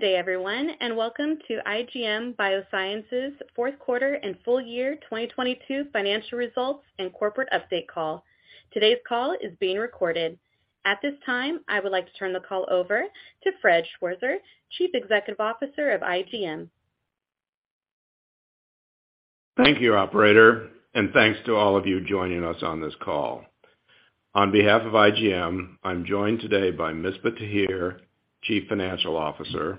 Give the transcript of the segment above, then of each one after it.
Good day everyone, welcome to IGM Biosciences fourth quarter and full year 2022 financial results and corporate update call. Today's call is being recorded. At this time, I would like to turn the call over to Fred Schwarzer, Chief Executive Officer of IGM. Thank you, operator, and thanks to all of you joining us on this call. On behalf of IGM, I'm joined today by Misbah Tahir, Chief Financial Officer,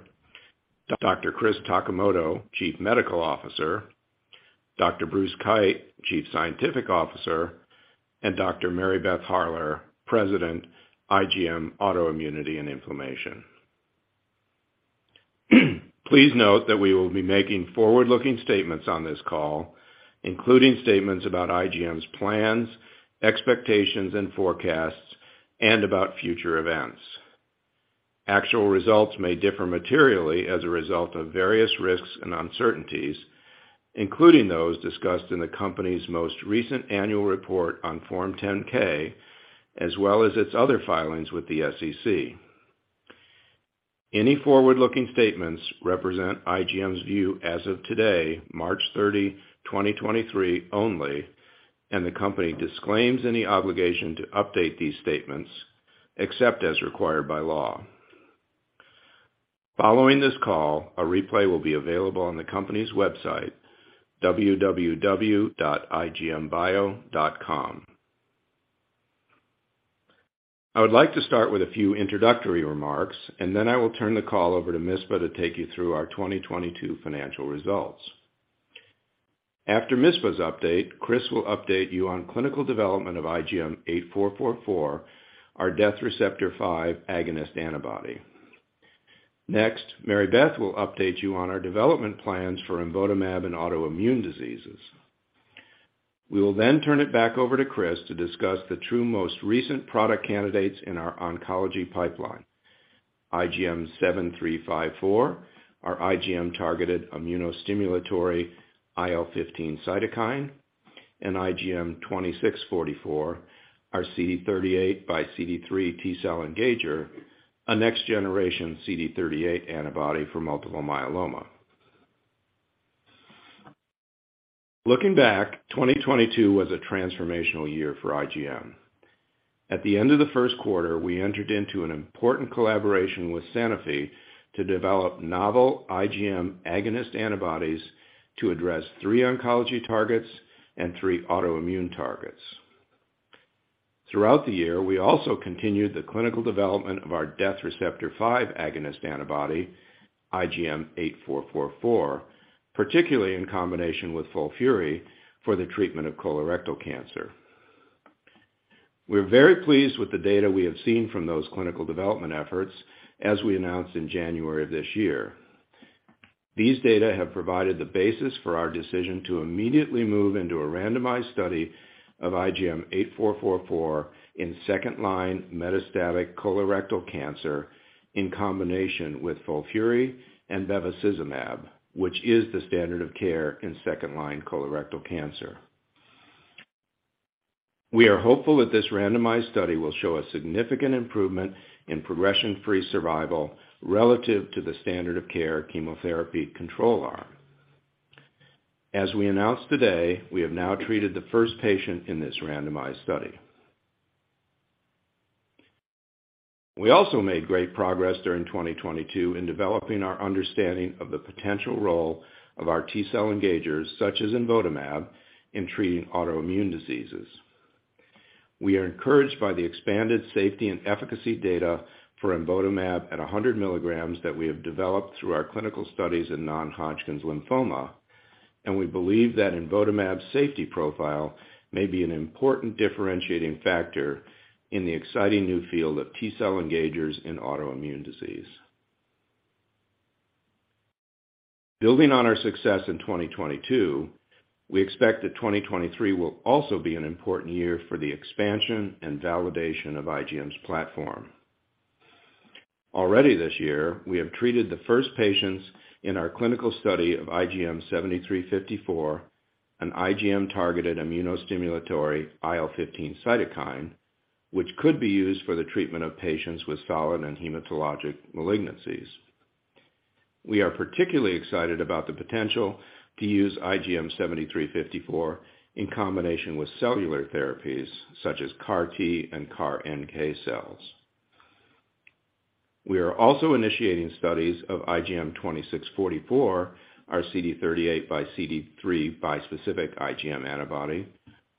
Dr. Chris Takimoto, Chief Medical Officer, Dr. Bruce Keyt, Chief Scientific Officer, and Dr. Mary Beth Harler, President, IGM Autoimmunity and Inflammation. Please note that we will be making forward-looking statements on this call, including statements about IGM's plans, expectations and forecasts, and about future events. Actual results may differ materially as a result of various risks and uncertainties, including those discussed in the company's most recent annual report on Form 10-K, as well as its other filings with the SEC. Any forward-looking statements represent IGM's view as of today, March 30, 2023 only, and the company disclaims any obligation to update these statements except as required by law. Following this call, a replay will be available on the company's website, www.igmbio.com. I would like to start with a few introductory remarks. I will turn the call over to Misbah to take you through our 2022 financial results. After Misbah's update, Chris will update you on clinical development of IGM-8444, our death receptor 5 agonist antibody. Next, Mary Beth will update you on our development plans for imvotamab in autoimmune diseases. We will then turn it back over to Chris to discuss the two most recent product candidates in our oncology pipeline, IGM-7354, our IGM-targeted immunostimulatory IL-15 cytokine, and IGM-2644, our CD38 x CD3 T cell engager, a next-generation CD38 antibody for multiple myeloma. Looking back, 2022 was a transformational year for IGM. At the end of the first quarter, we entered into an important collaboration with Sanofi to develop novel IGM agonist antibodies to address 3 oncology targets and 3 autoimmune targets. Throughout the year, we also continued the clinical development of our death receptor 5 agonist antibody, IGM-8444, particularly in combination with FOLFIRI for the treatment of colorectal cancer. We're very pleased with the data we have seen from those clinical development efforts as we announced in January of this year. These data have provided the basis for our decision to immediately move into a randomized study of IGM-8444 in second line metastatic colorectal cancer in combination with FOLFIRI and bevacizumab, which is the standard of care in second line colorectal cancer. We are hopeful that this randomized study will show a significant improvement in progression-free survival relative to the standard of care chemotherapy control arm. As we announced today, we have now treated the first patient in this randomized study. We also made great progress during 2022 in developing our understanding of the potential role of our T cell engagers, such as imvotamab, in treating autoimmune diseases. We are encouraged by the expanded safety and efficacy data for imvotamab at 100 mg that we have developed through our clinical studies in non-Hodgkin's lymphoma, and we believe that imvotamab's safety profile may be an important differentiating factor in the exciting new field of T cell engagers in autoimmune disease. Building on our success in 2022, we expect that 2023 will also be an important year for the expansion and validation of IGM's platform. Already this year, we have treated the first patients in our clinical study of IGM-7354, an IGM-targeted immunostimulatory IL-15 cytokine, which could be used for the treatment of patients with solid and hematologic malignancies. We are particularly excited about the potential to use IGM-7354 in combination with cellular therapies such as CAR T and CAR NK cells. We are also initiating studies of IGM-2644, our CD38 by CD3 bispecific IGM antibody,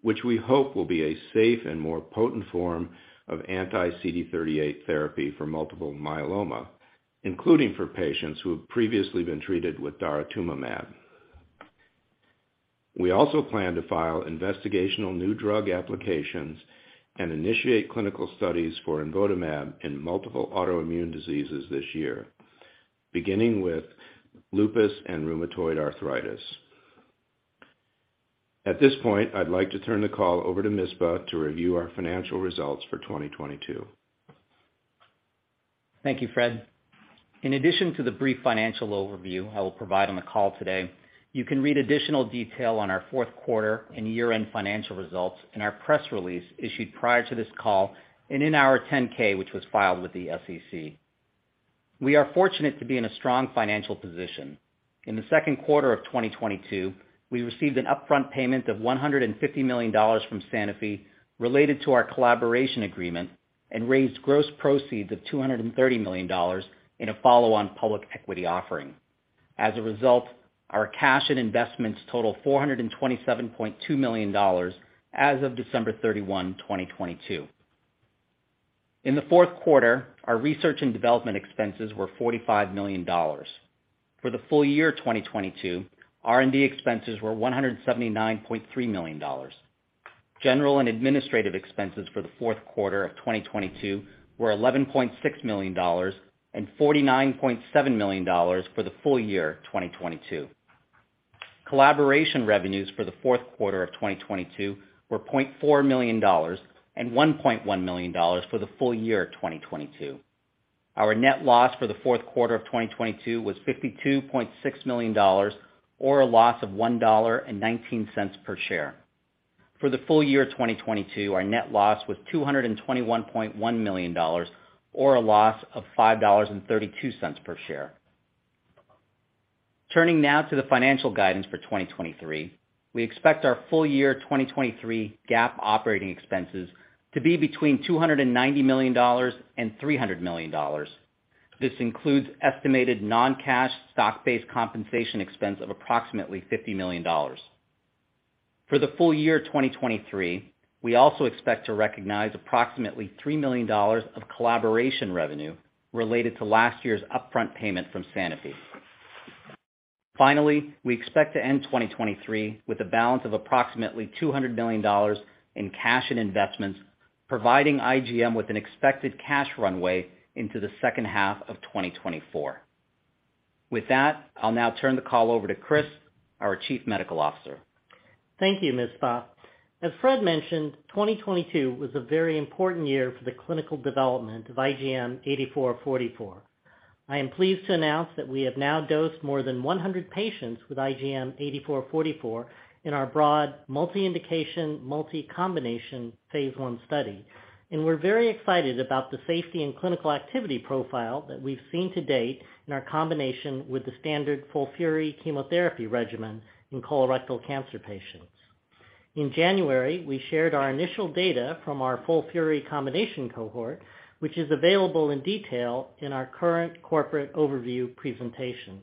which we hope will be a safe and more potent form of anti-CD38 therapy for multiple myeloma, including for patients who have previously been treated with daratumumab. We also plan to file investigational new drug applications and initiate clinical studies for imvotamab in multiple autoimmune diseases this year, beginning with lupus and rheumatoid arthritis. At this point, I'd like to turn the call over to Misbah to review our financial results for 2022. Thank you, Fred. In addition to the brief financial overview I will provide on the call today, you can read additional detail on our fourth quarter and year-end financial results in our press release issued prior to this call and in our 10-K, which was filed with the SEC. We are fortunate to be in a strong financial position. In the second quarter of 2022, we received an upfront payment of $150 million from Sanofi related to our collaboration agreement and raised gross proceeds of $230 million in a follow-on public equity offering. As a result, our cash and investments total $427.2 million as of December 31, 2022. In the fourth quarter, our research and development expenses were $45 million. For the full year 2022, R&D expenses were $179.3 million. General and administrative expenses for the fourth quarter of 2022 were $11.6 million and $49.7 million for the full year 2022. Collaboration revenues for the fourth quarter of 2022 were $0.4 million and $1.1 million for the full year 2022. Our net loss for the fourth quarter of 2022 was $52.6 million or a loss of $1.19 per share. For the full year 2022, our net loss was $221.1 million or a loss of $5.32 per share. Turning now to the financial guidance for 2023. We expect our full year 2023 GAAP operating expenses to be between $290 million and $300 million. This includes estimated non-cash stock-based compensation expense of approximately $50 million. For the full year 2023, we also expect to recognize approximately $3 million of collaboration revenue related to last year's upfront payment from Sanofi. Finally, we expect to end 2023 with a balance of approximately $200 million in cash and investments, providing IGM with an expected cash runway into the second half of 2024. With that, I'll now turn the call over to Chris, our chief medical officer. Thank you, Misbah. As Fred mentioned, 2022 was a very important year for the clinical development of IGM-8444. I am pleased to announce that we have now dosed more than 100 patients with IGM-8444 in our broad multi-indication, multi-combination Phase 1 study. We're very excited about the safety and clinical activity profile that we've seen to date in our combination with the standard FOLFIRI chemotherapy regimen in colorectal cancer patients. In January, we shared our initial data from our FOLFIRI combination cohort, which is available in detail in our current corporate overview presentation.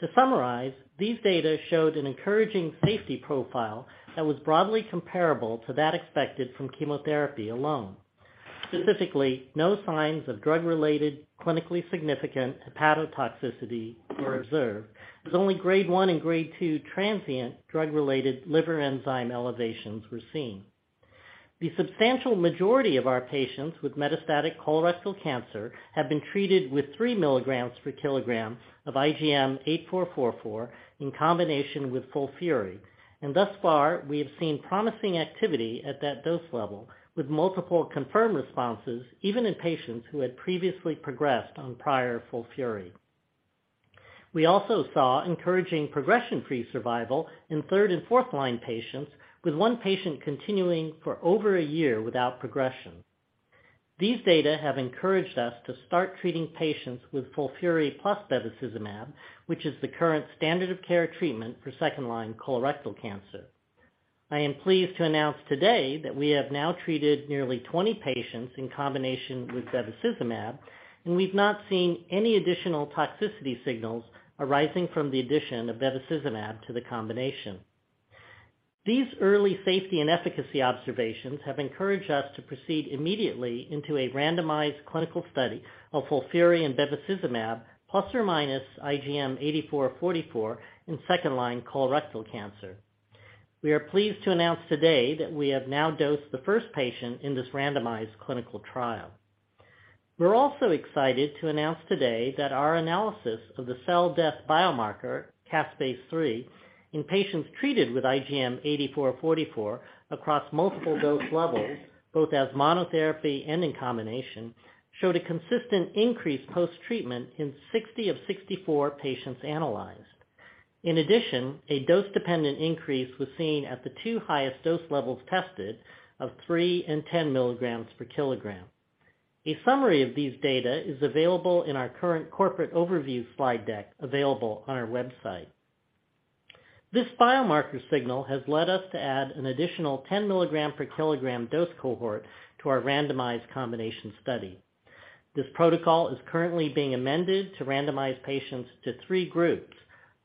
To summarize, these data showed an encouraging safety profile that was broadly comparable to that expected from chemotherapy alone. Specifically, no signs of drug-related clinically significant hepatotoxicity were observed, as only grade 1 and grade 2 transient drug-related liver enzyme elevations were seen. The substantial majority of our patients with metastatic colorectal cancer have been treated with 3 m of IGM-8444 in combination with FOLFIRI. Thus far, we have seen promising activity at that dose level with multiple confirmed responses even in patients who had previously progressed on prior FOLFIRI. We also saw encouraging progression-free survival in third and fourth-line patients, with 1 patient continuing for over a year without progression. These data have encouraged us to start treating patients with FOLFIRI plus bevacizumab, which is the current standard of care treatment for second-line colorectal cancer. I am pleased to announce today that we have now treated nearly 20 patients in combination with bevacizumab. We've not seen any additional toxicity signals arising from the addition of bevacizumab to the combination. These early safety and efficacy observations have encouraged us to proceed immediately into a randomized clinical study of FOLFIRI and bevacizumab plus or minus IGM-8444 in second line colorectal cancer. We are pleased to announce today that we have now dosed the first patient in this randomized clinical trial. We're also excited to announce today that our analysis of the cell death biomarker caspase-3 in patients treated with IGM-8444 across multiple dose levels, both as monotherapy and in combination, showed a consistent increase post-treatment in 60 of 64 patients analyzed. In addition, a dose-dependent increase was seen at the 2 highest dose levels tested of 3 and 10 mg/kg. A summary of these data is available in our current corporate overview slide deck, available on our website. This biomarker signal has led us to add an additional 10 mg/kg dose cohort to our randomized combination study. This protocol is currently being amended to randomize patients to 3 groups,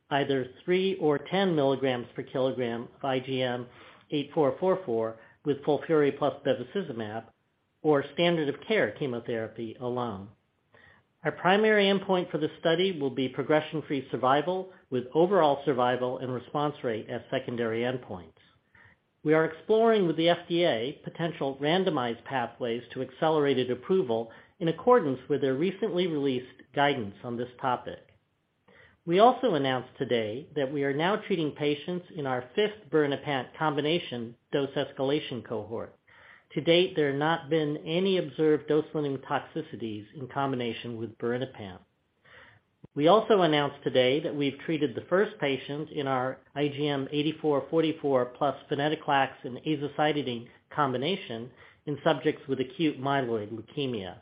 either 3 or 10 mg/kg of IGM-8444 with FOLFIRI plus bevacizumab or standard of care chemotherapy alone. Our primary endpoint for this study will be progression-free survival, with overall survival and response rate as secondary endpoints. We are exploring with the FDA potential randomized pathways to accelerated approval in accordance with their recently released guidance on this topic. We also announced today that we are now treating patients in our fifth birinapant combination dose escalation cohort. To date, there have not been any observed dose-limiting toxicities in combination with birinapant. We also announced today that we've treated the first patient in our IGM-8444 plus venetoclax and azacitidine combination in subjects with acute myeloid leukemia.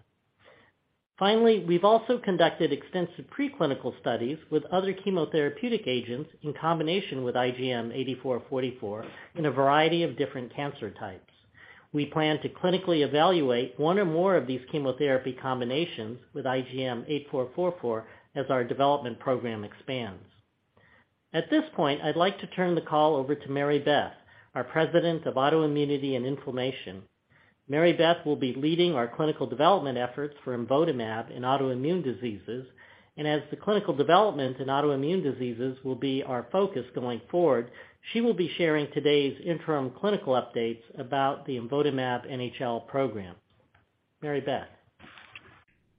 Finally, we've also conducted extensive preclinical studies with other chemotherapeutic agents in combination with IGM-8444 in a variety of different cancer types. We plan to clinically evaluate one or more of these chemotherapy combinations with IGM-8444 as our development program expands. At this point, I'd like to turn the call over to Mary Beth, our President of Autoimmunity and Inflammation. Mary Beth will be leading our clinical development efforts for imvotamab in autoimmune diseases, and as the clinical development in autoimmune diseases will be our focus going forward, she will be sharing today's interim clinical updates about the imvotamab NHL program. Mary Beth?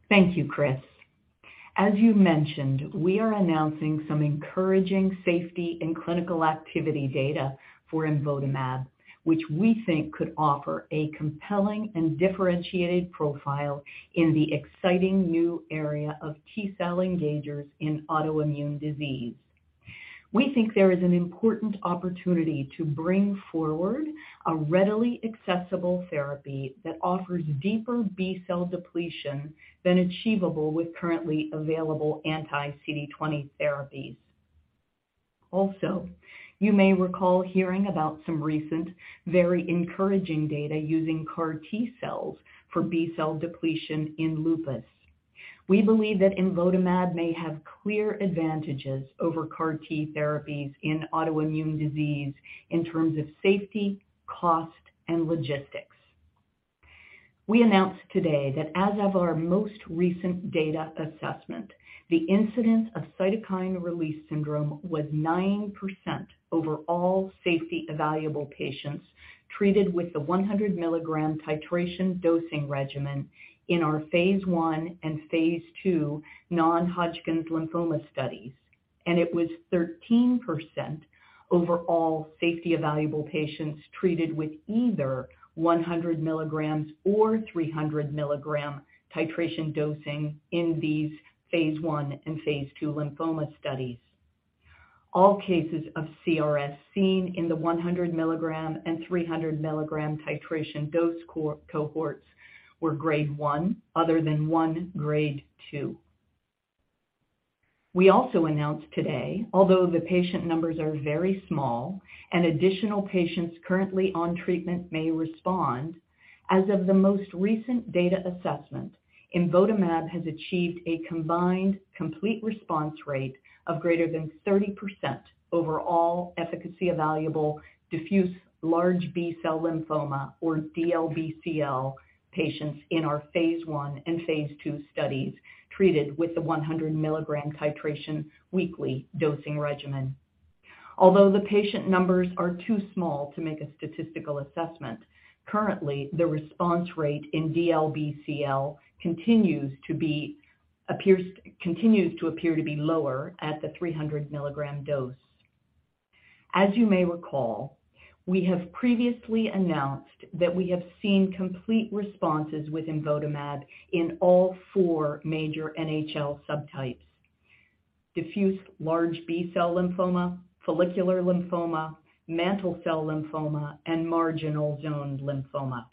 Thank you, Chris. As you mentioned, we are announcing some encouraging safety and clinical activity data for imvotamab, which we think could offer a compelling and differentiated profile in the exciting new area of T cell engagers in autoimmune disease. You may recall hearing about some recent very encouraging data using CAR T-cells for B-cell depletion in lupus. We believe that imvotamab may have clear advantages over CAR T therapies in autoimmune disease in terms of safety, cost, and logistics. We announced today that as of our most recent data assessment, the incidence of cytokine release syndrome was 9% over all safety evaluable patients treated with the 100 mg titration dosing regimen in our Phase 1 and Phase 2 non-Hodgkin's lymphoma studies. It was 13% over all safety evaluable patients treated with either 100 mg or 300 mg titration dosing in these Phase 1 and Phase 2 lymphoma studies. All cases of CRS seen in the 100 mg and 300 mg titration dose co-cohorts were grade 1, other than 1 grade 2. We also announced today, although the patient numbers are very small and additional patients currently on treatment may respond, as of the most recent data assessment, IGM-8444 has achieved a combined complete response rate of greater than 30% over all efficacy evaluable diffuse large B-cell lymphoma, or DLBCL patients in our Phase 1 and Phase 2 studies treated with the 100 mg titration weekly dosing regimen. Although the patient numbers are too small to make a statistical assessment, currently the response rate in DLBCL continues to appear to be lower at the 300 mg dose. As you may recall, we have previously announced that we have seen complete responses with imvotamab in all 4 major NHL subtypes, diffuse large B-cell lymphoma, follicular lymphoma, mantle cell lymphoma, and marginal zone lymphoma.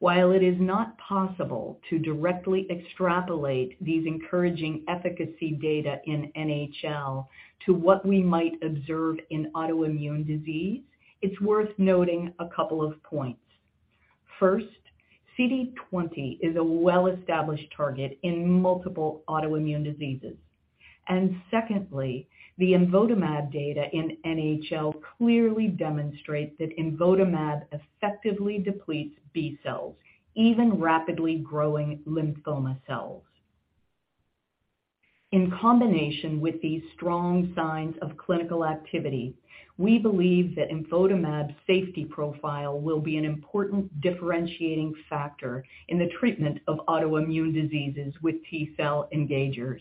While it is not possible to directly extrapolate these encouraging efficacy data in NHL to what we might observe in autoimmune disease, it's worth noting a couple of points. First, CD20 is a well-established target in multiple autoimmune diseases. Secondly, the imvotamab data in NHL clearly demonstrates that imvotamab effectively depletes B-cells, even rapidly growing lymphoma cells. In combination with these strong signs of clinical activity, we believe that imvotamab safety profile will be an important differentiating factor in the treatment of autoimmune diseases with T-cell engagers.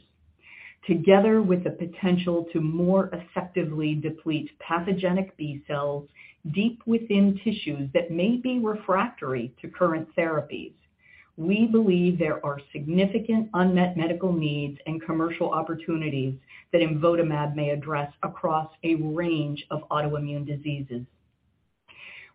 Together with the potential to more effectively deplete pathogenic B-cells deep within tissues that may be refractory to current therapies, we believe there are significant unmet medical needs and commercial opportunities that imvotamab may address across a range of autoimmune diseases.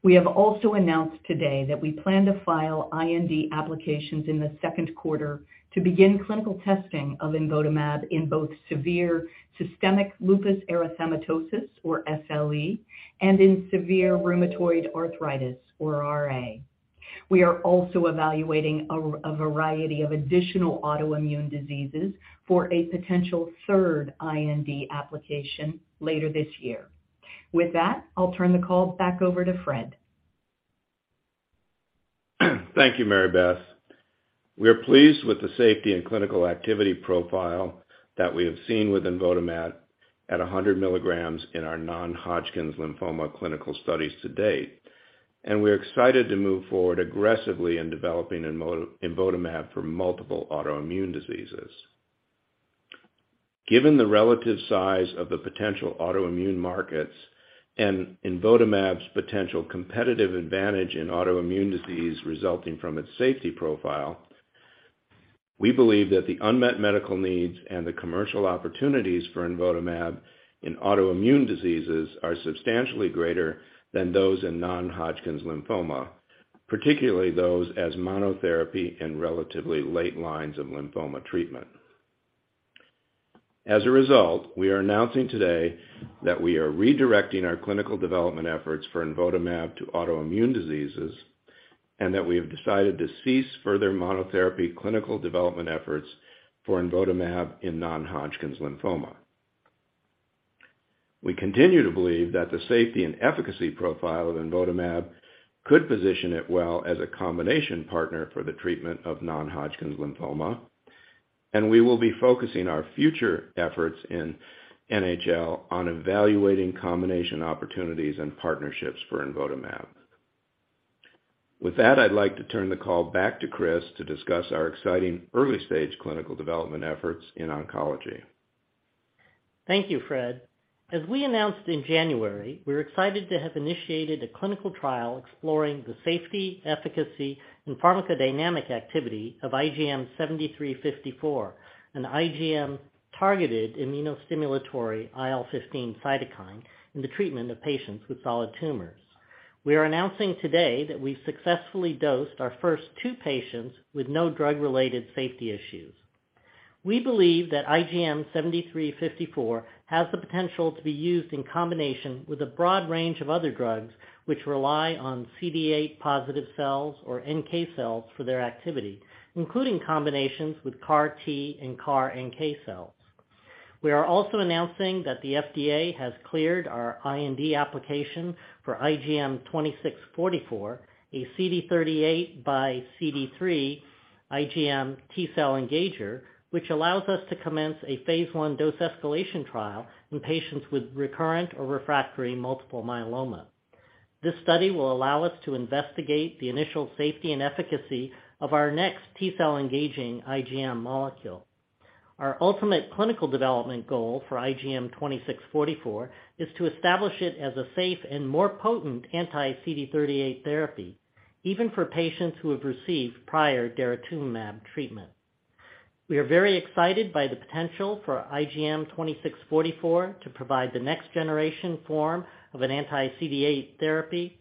We have also announced today that we plan to file IND applications in the second quarter to begin clinical testing of imvotamab in both severe systemic lupus erythematosus, or SLE, and in severe rheumatoid arthritis, or RA. We are also evaluating a variety of additional autoimmune diseases for a potential third IND application later this year. With that, I'll turn the call back over to Fred. Thank you, Mary Beth. We are pleased with the safety and clinical activity profile that we have seen with imvotamab at 100 mg in our non-Hodgkin's lymphoma clinical studies to date, and we're excited to move forward aggressively in developing imvotamab for multiple autoimmune diseases. Given the relative size of the potential autoimmune markets and imvotamab's potential competitive advantage in autoimmune disease resulting from its safety profile, we believe that the unmet medical needs and the commercial opportunities for imvotamab in autoimmune diseases are substantially greater than those in non-Hodgkin's lymphoma, particularly those as monotherapy in relatively late lines of lymphoma treatment. As a result, we are announcing today that we are redirecting our clinical development efforts for imvotamab to autoimmune diseases, and that we have decided to cease further monotherapy clinical development efforts for imvotamab in non-Hodgkin's lymphoma. We continue to believe that the safety and efficacy profile of imvotamab could position it well as a combination partner for the treatment of non-Hodgkin's lymphoma, and we will be focusing our future efforts in NHL on evaluating combination opportunities and partnerships for imvotamab. With that, I'd like to turn the call back to Chris to discuss our exciting early-stage clinical development efforts in oncology. Thank you, Fred. As we announced in January, we're excited to have initiated a clinical trial exploring the safety, efficacy, and pharmacodynamic activity of IGM-7354, an IGM-targeted immunostimulatory IL-15 cytokine in the treatment of patients with solid tumors. We are announcing today that we've successfully dosed our first 2 patients with no drug-related safety issues. We believe that IGM-7354 has the potential to be used in combination with a broad range of other drugs which rely on CD8-positive cells or NK cells for their activity, including combinations with CAR T and CAR NK cells. We are also announcing that the FDA has cleared our IND application for IGM-2644, a CD38 by CD3 IGM T-cell engager, which allows us to commence a Phase 1 dose escalation trial in patients with recurrent or refractory multiple myeloma. This study will allow us to investigate the initial safety and efficacy of our next T-cell-engaging IGM molecule. Our ultimate clinical development goal for IGM-2644 is to establish it as a safe and more potent anti-CD38 therapy, even for patients who have received prior daratumumab treatment. We are very excited by the potential for IGM-2644 to provide the next generation form of an anti-CD38 therapy.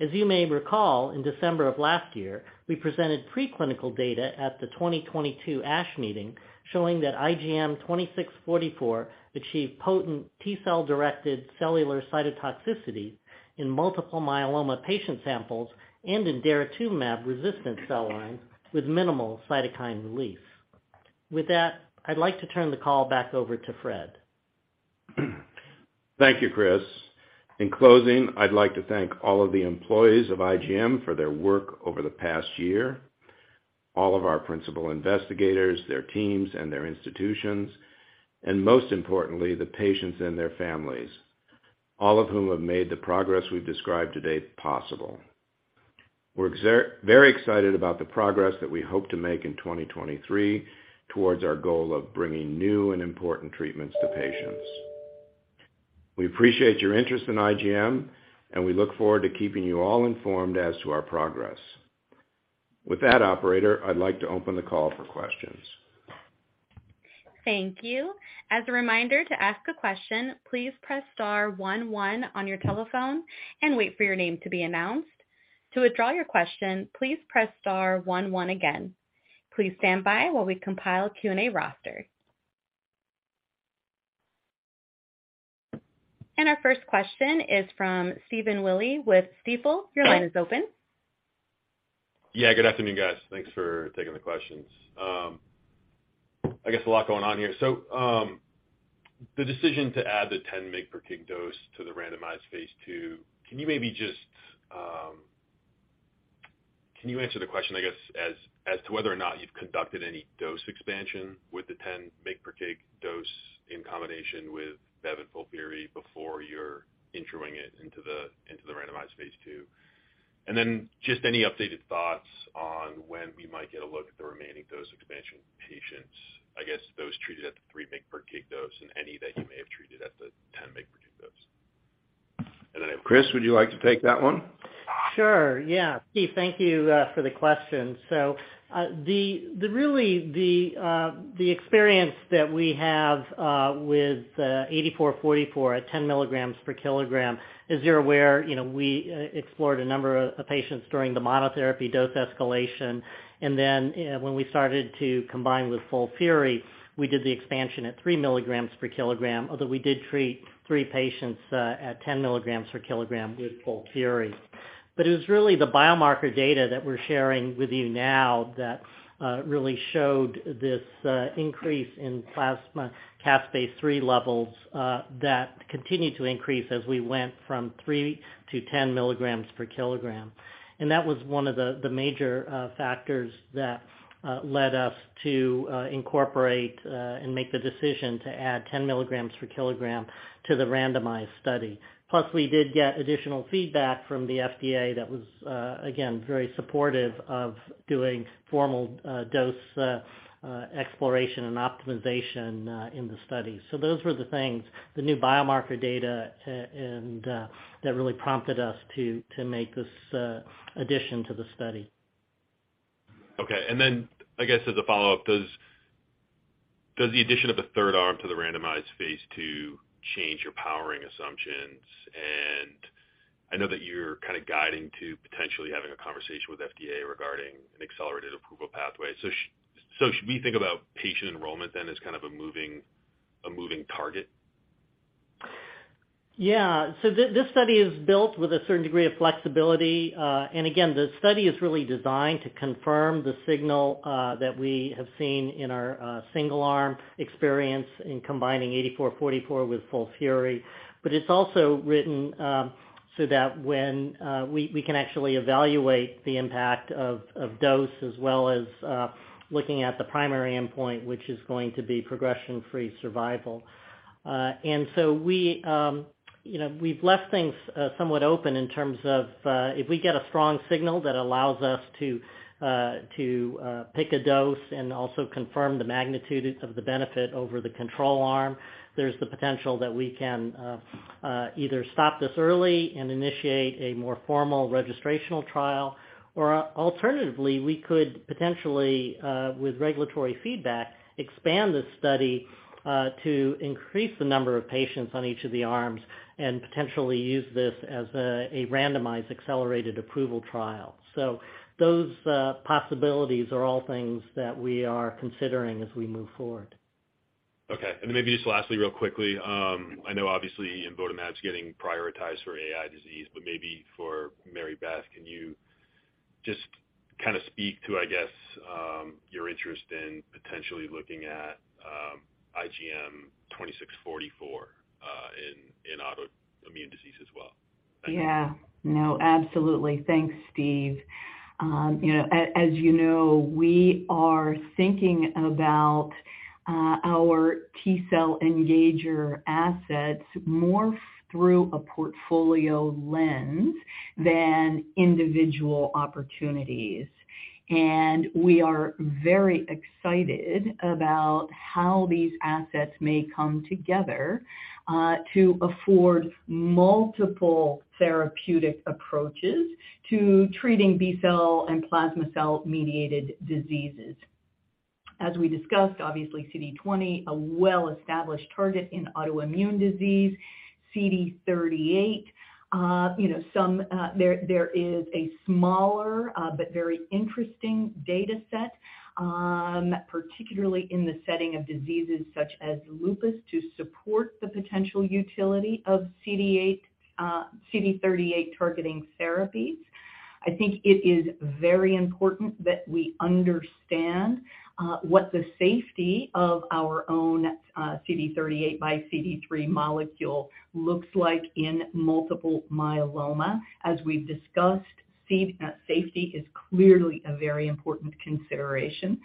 As you may recall, in December of last year, we presented preclinical data at the 2022 ASH meeting showing that IGM-2644 achieved potent T-cell-directed cellular cytotoxicity in multiple myeloma patient samples and in daratumumab-resistant cell lines with minimal cytokine release. With that, I'd like to turn the call back over to Fred. Thank you, Chris. In closing, I'd like to thank all of the employees of IGM for their work over the past year, all of our principal investigators, their teams, and their institutions, and most importantly, the patients and their families, all of whom have made the progress we've described today possible. We're very excited about the progress that we hope to make in 2023 towards our goal of bringing new and important treatments to patients. We appreciate your interest in IGM, and we look forward to keeping you all informed as to our progress. With that, operator, I'd like to open the call for questions. Thank you. As a reminder to ask a question, please press star one one on your telephone and wait for your name to be announced. To withdraw your question, please press star one one again. Please stand by while we compile Q&A roster. Our first question is from Stephen Willey with Stifel. Your line is open. Yeah, good afternoon, guys. Thanks for taking the questions. I guess a lot going on here. The decision to add the 10 mg per kg dose to the randomized Phase 2, can you maybe just, can you answer the question, I guess, as to whether or not you've conducted any dose expansion with the 10 mg per kg dose in combination with bev and FOLFIRI before you're entering it into the, into the randomized Phase 2? Just any updated thoughts on when we might get a look at the remaining dose expansion patients, I guess those treated at the 3 mg per kg dose and any that you may have treated at the 10 mg/kg dose. Chris, would you like to take that one? Sure. Yeah. Steve, thank you for the question. The really, the experience that we have with IGM-8444 at 10 mg/kg is you're aware, you know, we explored a number of patients during the monotherapy dose escalation. When we started to combine with FOLFIRI, we did the expansion at 3 mg/kg, although we did treat 3 patients at 10 mg/kg with FOLFIRI. It was really the biomarker data that we're sharing with you now that really showed this increase in plasma caspase-3 levels that continued to increase as we went from 3 to 10 mg/kg. That was one of the major factors that led us to incorporate and make the decision to add 10 mg/kg to the randomized study. We did get additional feedback from the FDA that was again, very supportive of doing formal dose exploration and optimization in the study. Those were the things, the new biomarker data, and that really prompted us to make this addition to the study. Okay. Then I guess as a follow-up, does the addition of the third arm to the randomized Phase 2 change your powering assumptions? I know that you're kind of guiding to potentially having a conversation with FDA regarding an accelerated approval pathway. Should we think about patient enrollment then as kind of a moving target? This study is built with a certain degree of flexibility. Again, the study is really designed to confirm the signal that we have seen in our single arm experience in combining IGM-8444 with FOLFIRI. It's also written so that when we can actually evaluate the impact of dose as well as looking at the primary endpoint, which is going to be progression-free survival. We, you know, we've left things somewhat open in terms of if we get a strong signal that allows us to pick a dose and also confirm the magnitude of the benefit over the control arm, there's the potential that we can either stop this early and initiate a more formal registrational trial, or alternatively, we could potentially with regulatory feedback, expand this study to increase the number of patients on each of the arms and potentially use this as a randomized accelerated approval trial. Those possibilities are all things that we are considering as we move forward. Okay. Maybe just lastly, real quickly, I know obviously imvotamab's getting prioritized for AI disease, but maybe for Mary Beth, can you just kind of speak to, I guess, your interest in potentially looking at IGM-2644 in autoimmune disease as well? Yeah. No, absolutely. Thanks, Steve. As you know, we are thinking about our T cell engager assets more through a portfolio lens than individual opportunities. We are very excited about how these assets may come together to afford multiple therapeutic approaches to treating B-cell and plasma cell-mediated diseases. As we discussed, obviously CD20, a well-established target in autoimmune disease. CD38, you know, some, there is a smaller, but very interesting data set, particularly in the setting of diseases such as lupus, to support the potential utility of CD38 targeting therapies. I think it is very important that we understand what the safety of our own CD38 by CD3 molecule looks like in multiple myeloma. As we've discussed, speed and safety is clearly a very important consideration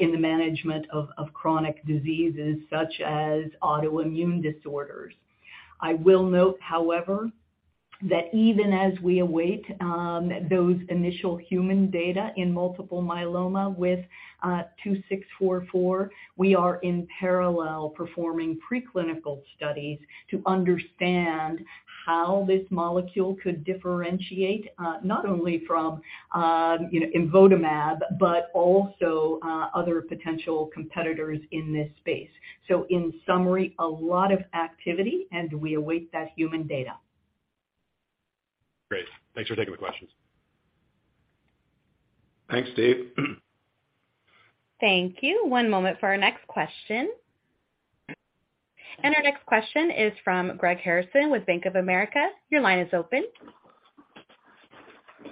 in the management of chronic diseases such as autoimmune disorders. I will note, however, that even as we await those initial human data in multiple myeloma with 2644, we are in parallel performing preclinical studies to understand how this molecule could differentiate, not only from, you know, imvotamab, but also other potential competitors in this space. In summary, a lot of activity, and we await that human data. Great. Thanks for taking the questions. Thanks, Steve. Thank you. One moment for our next question. Our next question is from Greg Harrison with Bank of America. Your line is open.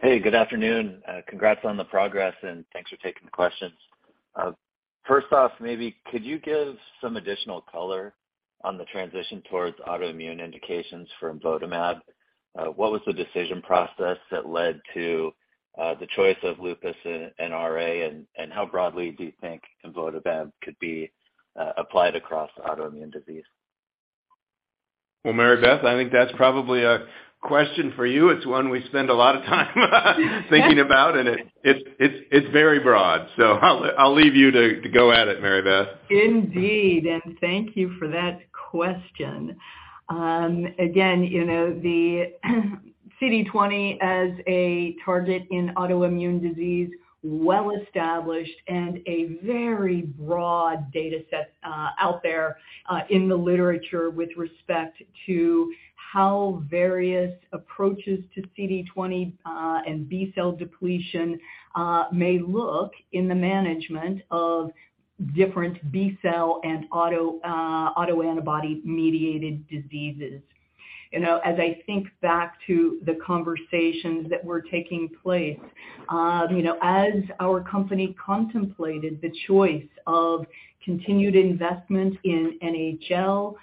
Hey, good afternoon. Congrats on the progress, and thanks for taking the questions. First off, maybe could you give some additional color on the transition towards autoimmune indications for imvotamab? What was the decision process that led to the choice of lupus and RA, and how broadly do you think imvotamab could be applied across autoimmune disease? Well, Mary Beth, I think that's probably a question for you. It's one we spend a lot of time thinking about, and it's very broad. I'll leave you to go at it, Mary Beth. Indeed. Thank you for that question. Again, you know, the CD20 as a target in autoimmune disease, well established and a very broad data set out there in the literature with respect to how various approaches to CD20 and B-cell depletion may look in the management of different B-cell and autoantibody-mediated diseases. You know, as I think back to the conversations that were taking place, you know, as our company contemplated the choice of continued investment in NHL,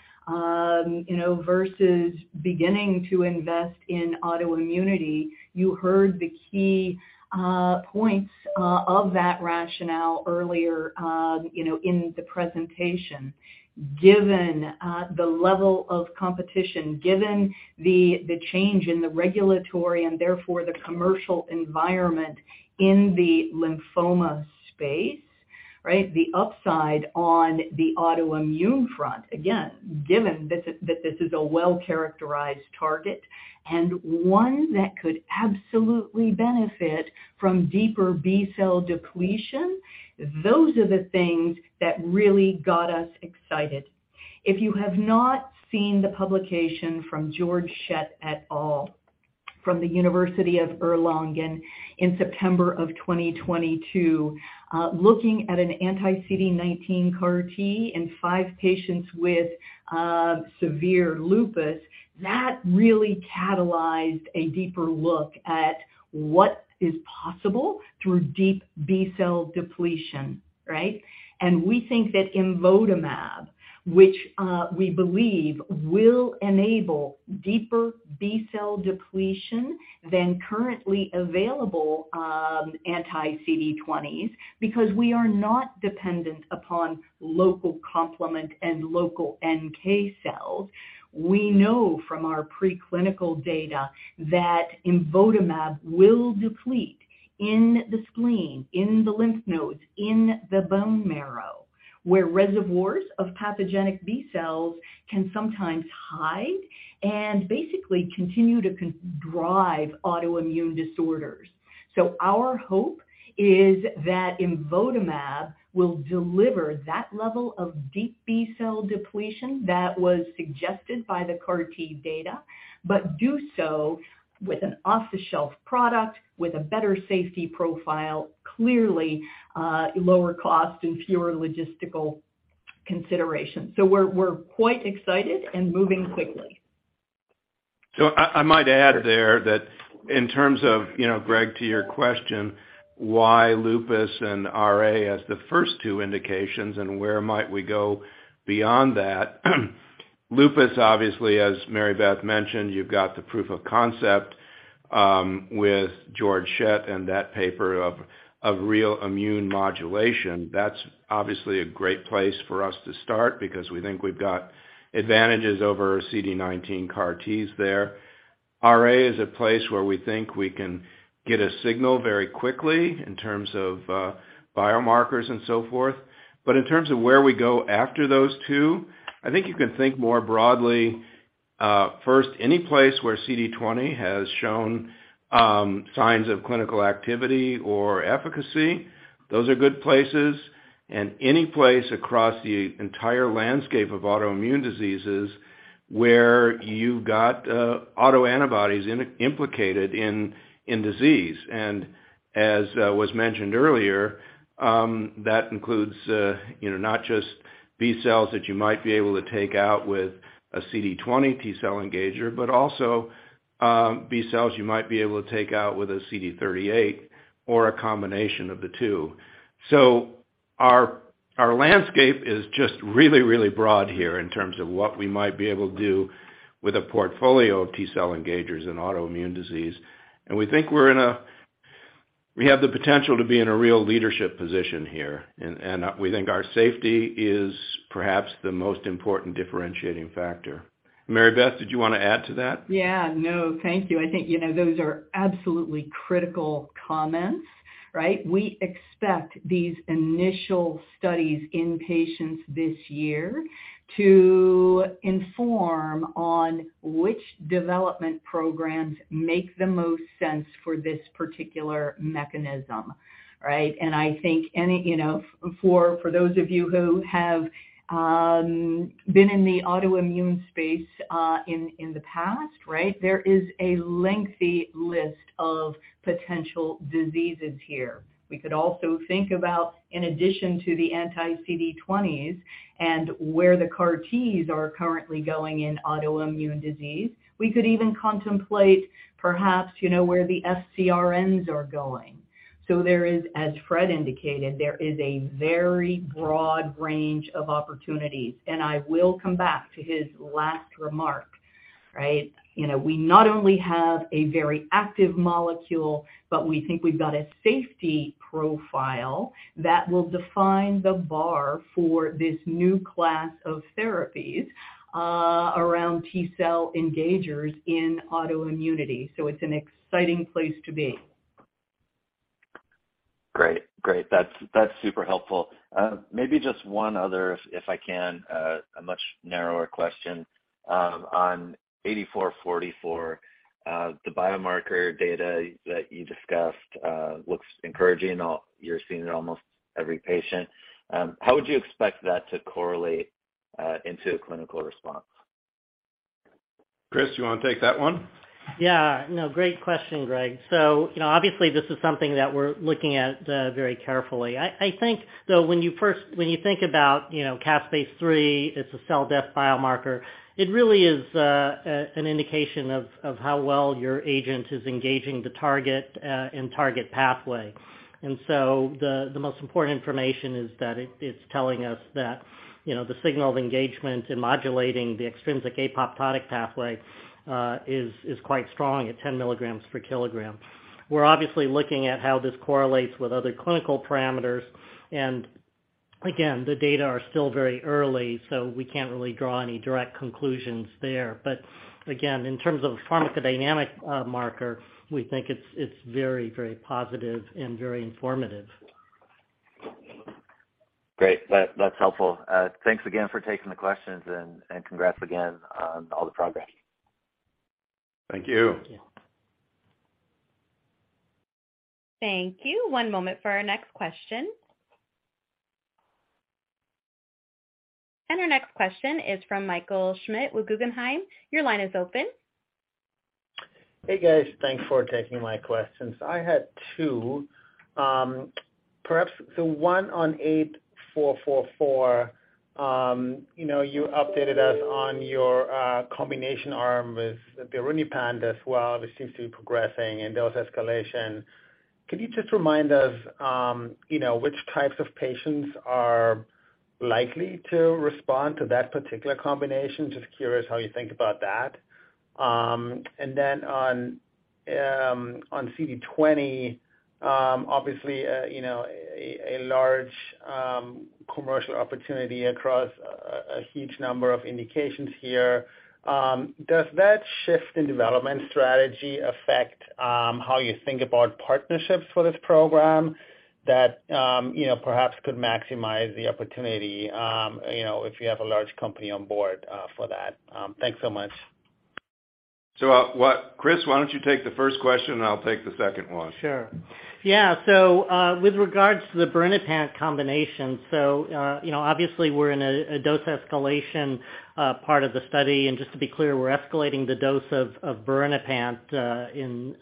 you know, versus beginning to invest in autoimmunity, you heard the key points of that rationale earlier, you know, in the presentation. Given the level of competition, given the change in the regulatory and therefore the commercial environment in the lymphoma space. The upside on the autoimmune front, again, given this is, that this is a well-characterized target and one that could absolutely benefit from deeper B cell depletion, those are the things that really got us excited. If you have not seen the publication from Georg Schett et al from the University of Erlangen-Nürnberg in September of 2022, looking at an anti-CD19 CAR T in five patients with severe lupus, that really catalyzed a deeper look at what is possible through deep B cell depletion. Right? We think that imvotamab, which we believe will enable deeper B cell depletion than currently available anti-CD20s because we are not dependent upon local complement and local NK cells. We know from our preclinical data that imvotamab will deplete in the spleen, in the lymph nodes, in the bone marrow, where reservoirs of pathogenic B cells can sometimes hide and basically continue to drive autoimmune disorders. Our hope is that imvotamab will deliver that level of deep B cell depletion that was suggested by the CAR T data, but do so with an off-the-shelf product with a better safety profile, clearly, lower cost and fewer logistical considerations. We're quite excited and moving quickly. I might add there that in terms of, you know, Greg, to your question, why lupus and RA as the first two indications and where might we go beyond that? Lupus, obviously, as Mary Beth mentioned, you've got the proof of concept with Georg Schett and that paper of real immune modulation. That's obviously a great place for us to start because we think we've got advantages over CD19 CAR Ts there. RA is a place where we think we can get a signal very quickly in terms of biomarkers and so forth. In terms of where we go after those two, I think you can think more broadly, first, any place where CD20 has shown signs of clinical activity or efficacy, those are good places, and any place across the entire landscape of autoimmune diseases where you've got autoantibodies implicated in disease. As was mentioned earlier, that includes, you know, not just B cells that you might be able to take out with a CD20 T cell engager, but also B cells you might be able to take out with a CD38 or a combination of the two. Our landscape is just really, really broad here in terms of what we might be able to do with a portfolio of T cell engagers in autoimmune disease. We think we're in a... We have the potential to be in a real leadership position here, and we think our safety is perhaps the most important differentiating factor. Marybeth, did you wanna add to that? Yeah. No, thank you. I think, you know, those are absolutely critical comments, right? We expect these initial studies in patients this year to inform on which development programs make the most sense for this particular mechanism, right? I think, you know, for those of you who have been in the autoimmune space in the past, right? There is a lengthy list of potential diseases here. We could also think about in addition to the anti-CD20s and where the CAR Ts are currently going in autoimmune disease, we could even contemplate perhaps, you know, where the FcRns are going. There is, as Fred indicated, there is a very broad range of opportunities, and I will come back to his last remark, right? You know, we not only have a very active molecule, but we think we've got a safety profile that will define the bar for this new class of therapies, around T-cell engagers in autoimmunity. It's an exciting place to be. Great. That's super helpful. Maybe just one other, if I can, a much narrower question on IGM-8444. The biomarker data that you discussed looks encouraging. You're seeing it in almost every patient. How would you expect that to correlate into a clinical response? Chris, you wanna take that one? Yeah. No, great question, Greg. You know, obviously, this is something that we're looking at very carefully. I think though, when you think about, you know, caspase-3 as a cell death biomarker, it really is an indication of how well your agent is engaging the target and target pathway. The most important information is that it's telling us that, you know, the signal of engagement in modulating the extrinsic apoptotic pathway is quite strong at 10 mg/kg. We're obviously looking at how this correlates with other clinical parameters. Again, the data are still very early, we can't really draw any direct conclusions there. Again, in terms of pharmacodynamic marker, we think it's very, very positive and very informative. Great. That's helpful. Thanks again for taking the questions and congrats again on all the progress. Thank you. Thank you. Thank you. One moment for our next question. Our next question is from Michael Schmidt with Guggenheim. Your line is open. Hey, guys. Thanks for taking my questions. I had two. One on IGM-8444, you know, you updated us on your combination arm with the birinapant as well. This seems to be progressing in dose escalation. Could you just remind us, you know, which types of patients are likely to respond to that particular combination? Just curious how you think about that. On CD20, obviously, you know, a large commercial opportunity across a huge number of indications here. Does that shift in development strategy affect how you think about partnerships for this program that, you know, perhaps could maximize the opportunity, you know, if you have a large company on board for that? Thanks so much. Chris, why don't you take the first question, and I'll take the second one. Sure. Yeah. With regards to the birinapant combination, you know, obviously we're in a dose escalation part of the study, and just to be clear, we're escalating the dose of birinapant in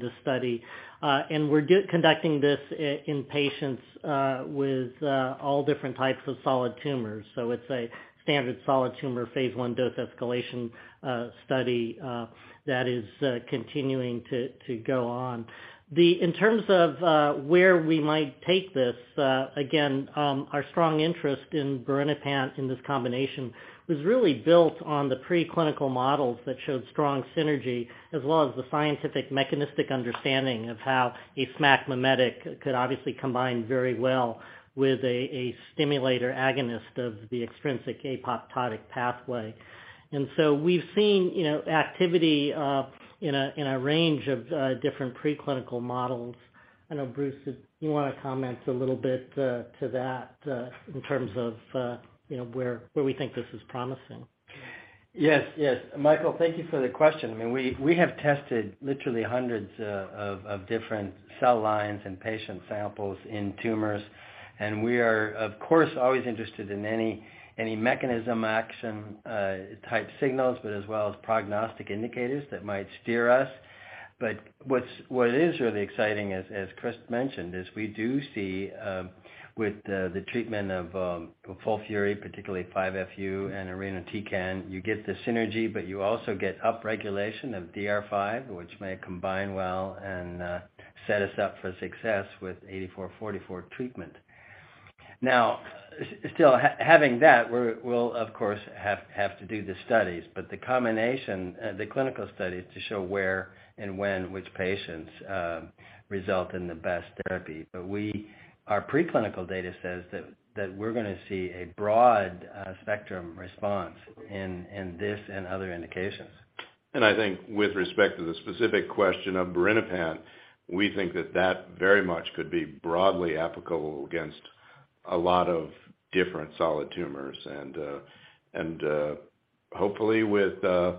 the study. Conducting this in patients with all different types of solid tumors. It's a standard solid tumor Phase 1 dose escalation study that is continuing to go on. In terms of where we might take this, again, our strong interest in birinapant in this combination was really built on the preclinical models that showed strong synergy as well as the scientific mechanistic understanding of how a SMAC mimetic could obviously combine very well with a stimulator agonist of the extrinsic apoptotic pathway. We've seen, you know, activity, in a, in a range of, different preclinical models. I know, Bruce, if you wanna comment a little bit, to that, in terms of, you know, where we think this is promising. Yes. Yes. Michael, thank you for the question. I mean, we have tested literally hundreds of different cell lines and patient samples in tumors, and we are, of course, always interested in any mechanism action type signals, as well as prognostic indicators that might steer us. What is really exciting as Chris mentioned, is we do see with the treatment of FOLFIRI, particularly 5-FU and irinotecan, you get the synergy, but you also get upregulation of DR5, which may combine well and set us up for success with IGM-8444 treatment. Now, still having that, we'll of course, have to do the studies, the combination, the clinical studies to show where and when which patients result in the best therapy. We. Our preclinical data says that we're gonna see a broad spectrum response in this and other indications. I think with respect to the specific question of birinapant, we think that that very much could be broadly applicable against a lot of different solid tumors. Hopefully with the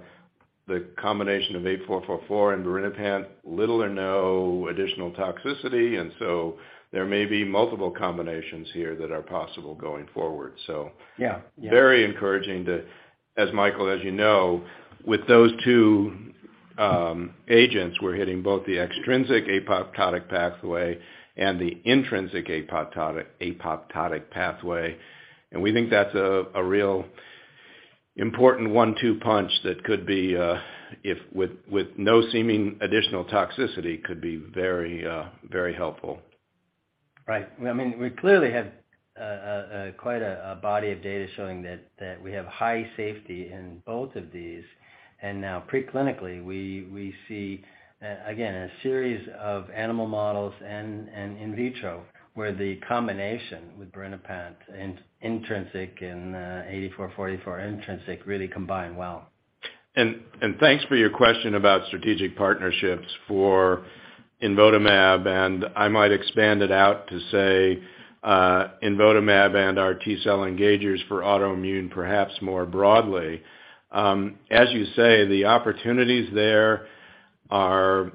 combination of IGM-8444 and birinapant, little or no additional toxicity, there may be multiple combinations here that are possible going forward. Yeah. Yeah.... very encouraging to, as Michael, as you know, with those two agents, we're hitting both the extrinsic apoptotic pathway and the intrinsic apoptotic pathway. We think that's a real important one-two punch that could be, if with no seeming additional toxicity, could be very, very helpful. Well, I mean, we clearly have quite a body of data showing that we have high safety in both of these. Now preclinically, we see again, a series of animal models and in vitro where the combination with birinapant in intrinsic and IGM-8444 intrinsic really combine well. Thanks for your question about strategic partnerships for imvotamab, and I might expand it out to say imvotamab and our T cell engagers for autoimmune, perhaps more broadly. As you say, the opportunities there are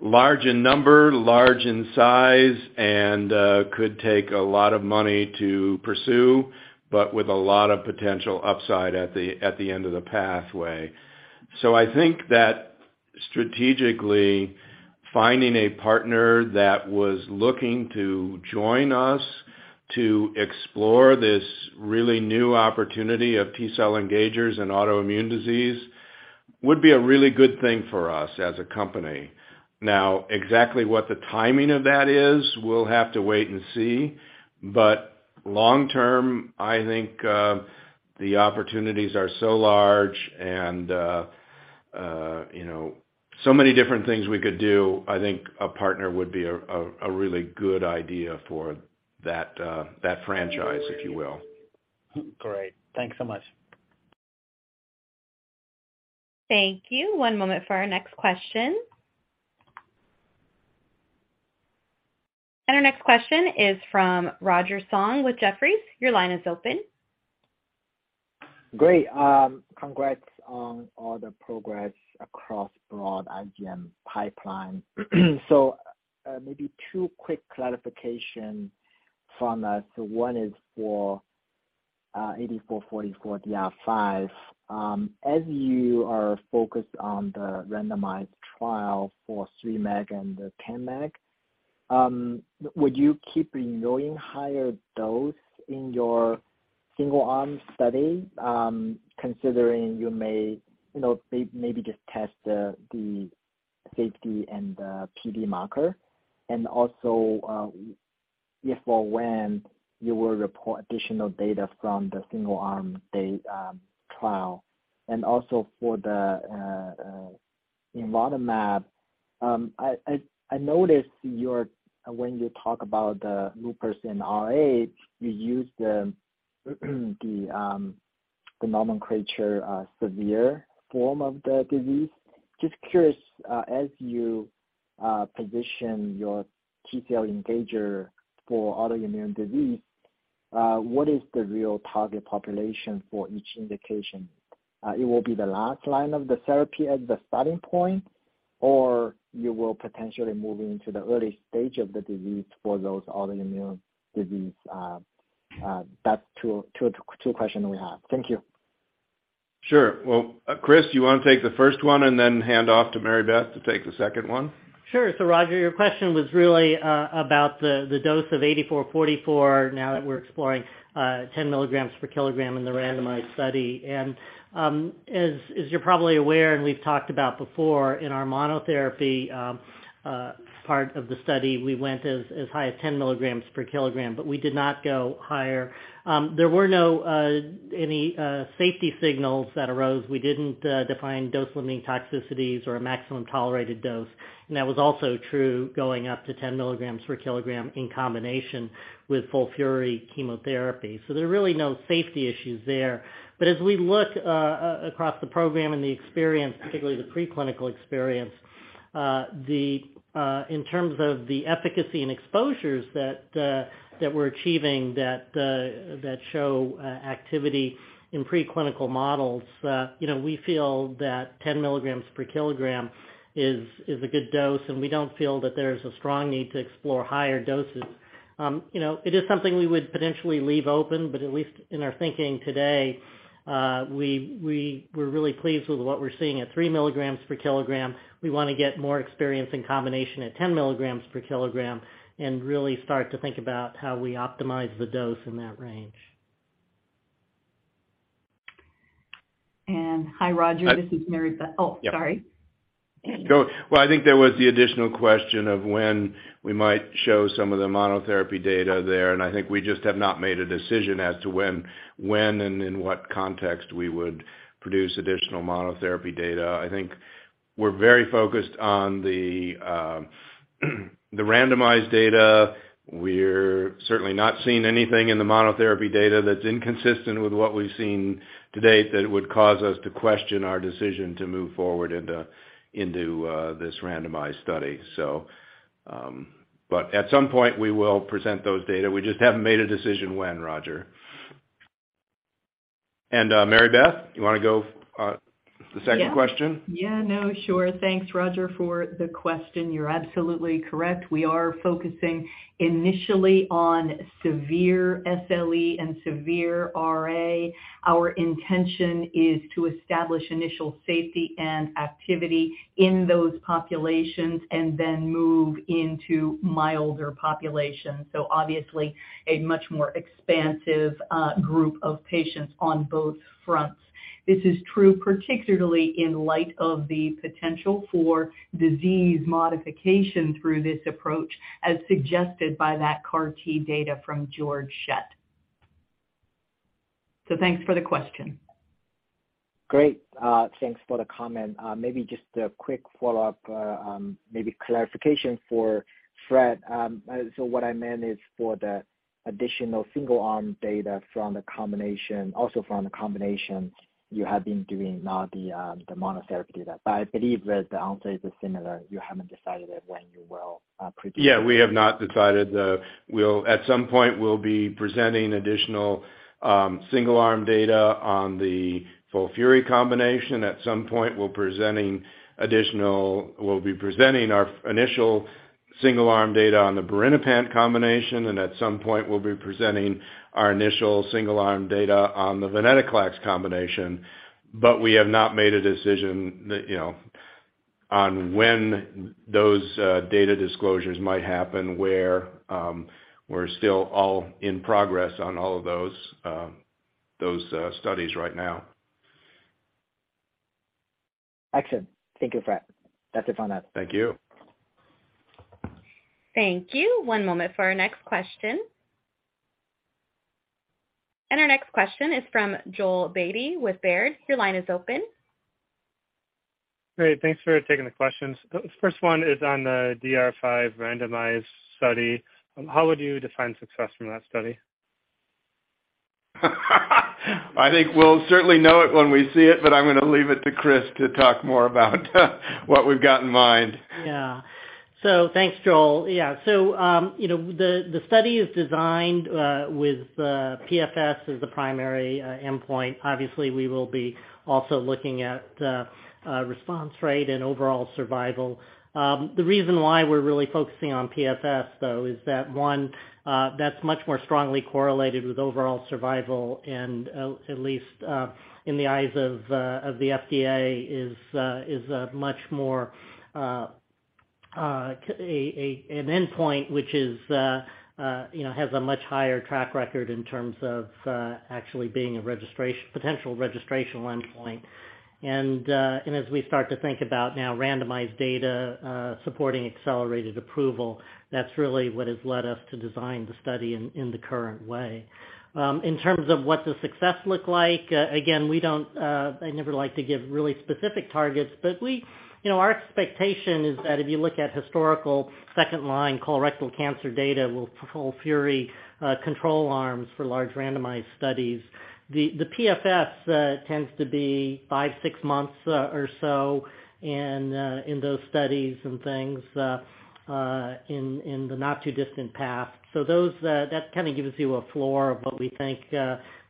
large in number, large in size, and could take a lot of money to pursue, but with a lot of potential upside at the end of the pathway. I think that strategically finding a partner that was looking to join us to explore this really new opportunity of T cell engagers in autoimmune disease would be a really good thing for us as a company. Now, exactly what the timing of that is, we'll have to wait and see. Long term, I think the opportunities are so large and, you know, so many different things we could do. I think a partner would be a really good idea for that franchise, if you will. Great. Thanks so much. Thank you. One moment for our next question. Our next question is from Roger Song with Jefferies. Your line is open. Great. Congrats on all the progress across broad IGM pipeline. Maybe two quick clarification from us. One is for IGM-8444 DR5. As you are focused on the randomized trial for 3 mg and the 10 mg, would you keep renewing higher dose in your single-arm study, considering you know, maybe just test the safety and the PD marker? If or when you will report additional data from the single-arm trial? Also for the imvotamab, I noticed your when you talk about the lupus in RA, you use the nomenclature, severe form of the disease. Just curious, as you position your T-cell engager for autoimmune disease, what is the real target population for each indication? It will be the last line of the therapy as the starting point, or you will potentially move into the early stage of the disease for those autoimmune disease. That's two questions we have. Thank you. Sure. Well, Chris, you wanna take the first one and then hand off to Mary Beth to take the second one? Sure. Roger, your question was really about the dose of IGM-8444 now that we're exploring 10 mg/kg in the randomized study. As you're probably aware, and we've talked about before in our monotherapy part of the study, we went as high as 10mg/kg, but we did not go higher. There were no any safety signals that arose. We didn't define dose-limiting toxicities or a maximum tolerated dose, and that was also true going up to 10 mg/kg in combination with FOLFIRI chemotherapy. There are really no safety issues there. As we look across the program and the experience, particularly the preclinical experience, the, in terms of the efficacy and exposures that we're achieving that show activity in preclinical models, you know, we feel that 10 mg/kg is a good dose, and we don't feel that there's a strong need to explore higher doses. You know, it is something we would potentially leave open, but at least in our thinking today, we're really pleased with what we're seeing at 3 mg/kg. We wanna get more experience in combination at 10 mg/kg and really start to think about how we optimize the dose in that range. Hi, Roger. This is Mary Beth. Oh, sorry. Go. Well, I think there was the additional question of when we might show some of the monotherapy data there. I think we just have not made a decision as to when and in what context we would produce additional monotherapy data. I think we're very focused on the randomized data. We're certainly not seeing anything in the monotherapy data that's inconsistent with what we've seen to date that would cause us to question our decision to move forward into this randomized study. At some point, we will present those data. We just haven't made a decision when, Roger. Mary Beth, you wanna go the second question? Yeah, no, sure. Thanks, Roger, for the question. You're absolutely correct. We are focusing initially on severe SLE and severe RA. Our intention is to establish initial safety and activity in those populations and then move into milder populations. Obviously a much more expansive group of patients on both fronts. This is true particularly in light of the potential for disease modification through this approach, as suggested by that CAR T data from Georg Schett. Thanks for the question. Great. Thanks for the comment. Maybe just a quick follow-up, maybe clarification for Fred. What I meant is for the additional single-arm data from the combination, also from the combination you have been doing now the monotherapy data. I believe that the answer is similar, you haven't decided when you will, produce. Yeah, we have not decided. At some point, we'll be presenting additional, single-arm data on the FOLFIRI combination. We'll be presenting our initial single-arm data on the birinapant combination, and at some point, we'll be presenting our initial single-arm data on the venetoclax combination. We have not made a decision that, you know, on when those data disclosures might happen, where we're still all in progress on all of those studies right now. Excellent. Thank you, Fred. That's it on that. Thank you. Thank you. One moment for our next question. Our next question is from Joel Beatty with Baird. Your line is open. Great. Thanks for taking the questions. First one is on the DR5 randomized study. How would you define success from that study? I think we'll certainly know it when we see it, but I'm gonna leave it to Chris to talk more about what we've got in mind. Thanks, Joel. You know, the study is designed with PFS as the primary endpoint. Obviously, we will be also looking at response rate and overall survival. The reason why we're really focusing on PFS though is that, one, that's much more strongly correlated with overall survival and at least in the eyes of the FDA is a much more an endpoint which is, you know, has a much higher track record in terms of actually being a potential registrational endpoint. As we start to think about now randomized data supporting accelerated approval, that's really what has led us to design the study in the current way. In terms what the success looks like, I never like to give really specific targets, but we, you know, our expectation is that if you look at historical second-line colorectal cancer data with FOLFIRI control arms for large randomized studies, the PFS tends to be 5-6 months or so in those studies and things in the not too distant past. So those, that kind of gives you a floor of what we think,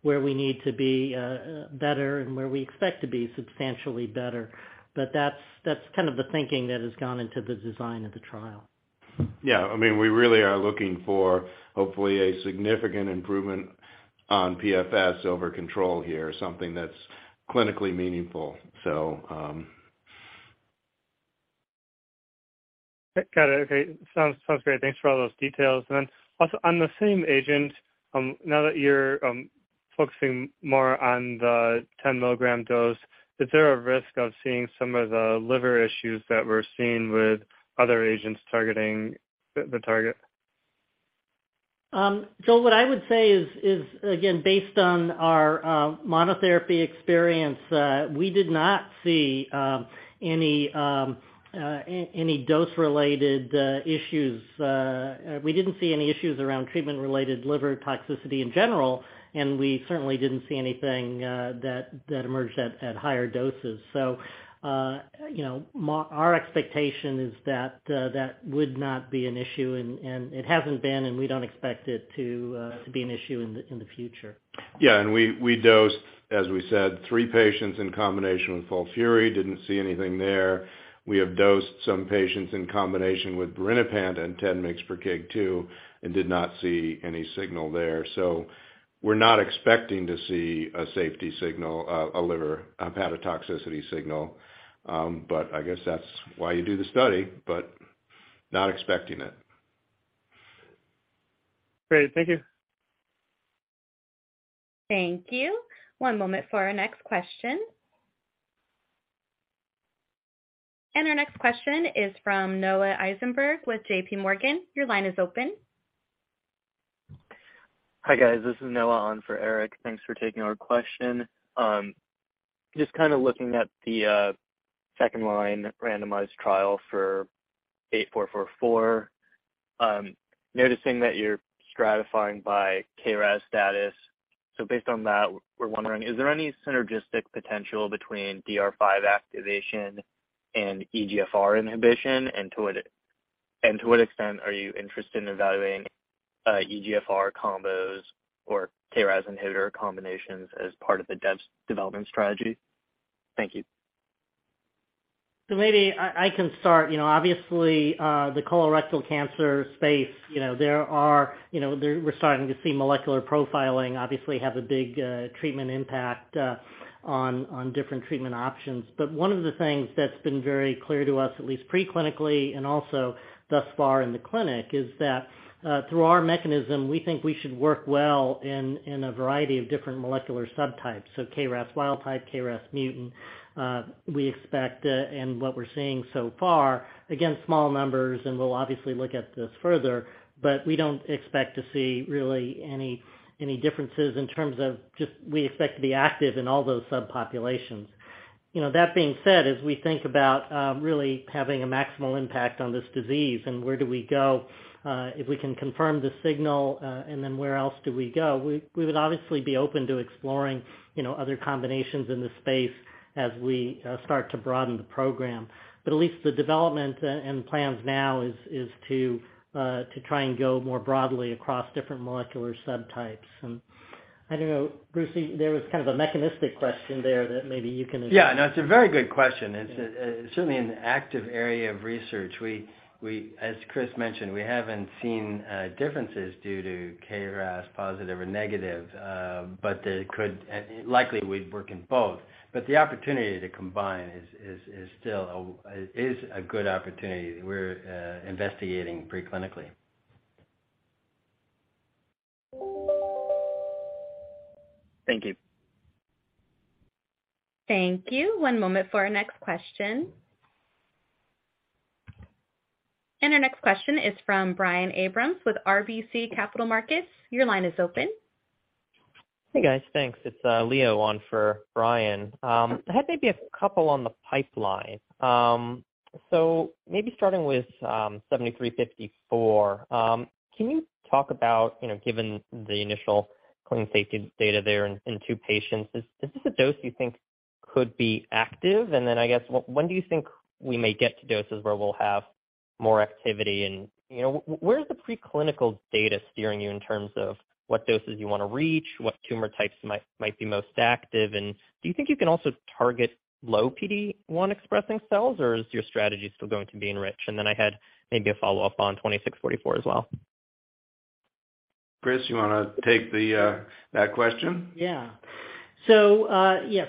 where we need to be better and where we expect to be substantially better. But that's kind of the thinking that has gone into the design of the trial Yeah. I mean, we really are looking for, hopefully, a significant improvement on PFS over control here, something that's clinically meaningful. Got it. Okay. Sounds great. Thanks for all those details. Also on the same agent, now that you're focusing more on the 10 mg dose, is there a risk of seeing some of the liver issues that we're seeing with other agents targeting the target? What I would say is, again, based on our monotherapy experience, we did not see any dose-related issues. We didn't see any issues around treatment-related liver toxicity in general, and we certainly didn't see anything that emerged at higher doses. You know, our expectation is that that would not be an issue and it hasn't been, and we don't expect it to be an issue in the future. We dosed, as we said, three patients in combination with FOLFIRI, didn't see anything there. We have dosed some patients in combination with birinapant and 10 mg/ kg too, did not see any signal there. We're not expecting to see a safety signal, a liver hepatotoxicity signal. I guess that's why you do the study, but not expecting it. Great. Thank you. Thank you. One moment for our next question. Our next question is from Noah Eisenberg with J.P. Morgan. Your line is open. Hi, guys. This is Noah on for Eric. Thanks for taking our question. Just kinda looking at the second-line randomized trial for IGM-8444, noticing that you're stratifying by KRAS status. Based on that, we're wondering, is there any synergistic potential between DR5 activation and EGFR inhibition? To what extent are you interested in evaluating EGFR combos or KRAS inhibitor combinations as part of the development strategy? Thank you. Maybe I can start. You know, obviously, the colorectal cancer space, you know, there are, we're starting to see molecular profiling obviously have a big treatment impact on different treatment options. One of the things that's been very clear to us, at least pre-clinically and also thus far in the clinic, is that through our mechanism, we think we should work well in a variety of different molecular subtypes, so KRAS wild type, KRAS mutant. We expect, and what we're seeing so far, again, small numbers, and we'll obviously look at this further, but we don't expect to see really any differences in terms of just we expect to be active in all those subpopulations. You know, that being said, as we think about really having a maximal impact on this disease and where do we go, if we can confirm the signal, and then where else do we go, we would obviously be open to exploring, you know, other combinations in the space as we start to broaden the program. At least the development and plans now is to try and go more broadly across different molecular subtypes. I don't know, Bruce, there was kind of a mechanistic question there that maybe you can address. It's a very good question. Yeah. It's certainly an active area of research. We As Chris mentioned, we haven't seen differences due to KRAS positive or negative, but likely we'd work in both. The opportunity to combine is still a good opportunity we're investigating pre-clinically. Thank you. Thank you. One moment for our next question. Our next question is from Brian Abrahams with RBC Capital Markets. Your line is open. Hey, guys. Thanks. It's Leo on for Brian. I had maybe a couple on the pipeline. Maybe starting with IGM-7354, can you talk about, you know, given the initial clean safety data there in 2 patients, is this a dose you think could be active? I guess, when do you think we may get to doses where we'll have more activity and, you know, where is the preclinical data steering you in terms of what doses you wanna reach, what tumor types might be most active? Do you think you can also target low PD-1 expressing cells, or is your strategy still going to be enrich? I had maybe a follow-up on IGM-2644 as well. Chris, you wanna take the that question? Yeah. Yeah.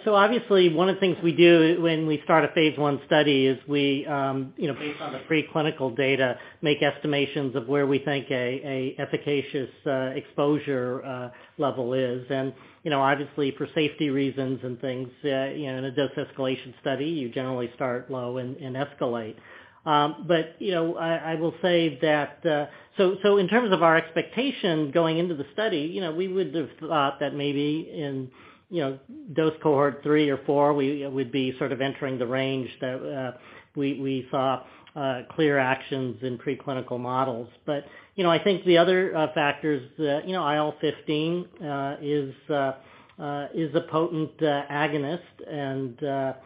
Obviously, one of the things we do when we start a Phase 1 study is we, you know, based on the preclinical data, make estimations of where we think an efficacious exposure level is. You know, obviously for safety reasons and things, you know, in a dose escalation study, you generally start low and escalate. You know, I will say that, in terms of our expectation going into the study, you know, we would have thought that maybe in, you know, dose cohort 3 or 4, we'd be sort of entering the range that we saw clear actions in preclinical models. You know, I think the other factors, you know, IL-15 is a potent agonist